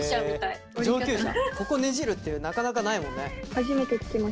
ここねじるってなかなかないもんね。